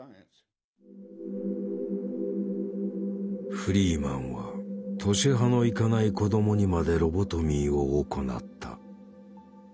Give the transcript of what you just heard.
フリーマンは年端の行かない子どもにまでロボトミーを行った。